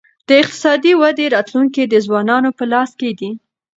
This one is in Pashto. د اقتصادي ودې راتلونکی د ځوانانو په لاس کي دی.